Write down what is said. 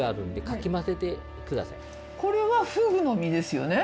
これはフグの身ですよね？